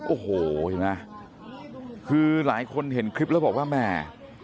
โอ้โหเห็นไหมคือหลายคนเห็นคลิปแล้วบอกว่าแม่